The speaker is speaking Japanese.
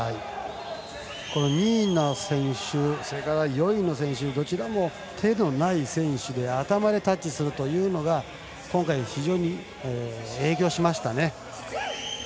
この２位の選手４位の選手どちらも手のない選手で頭でタッチするというのが今回、非常に影響しましたね。